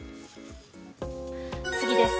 次です。